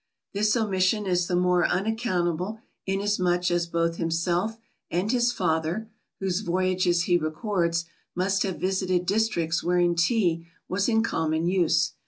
This omission is the more unaccountable inasmuch as both himself and his father (whose voyages he records) must have visited districts wherein Tea was in common use.